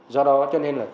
do đó cho nên là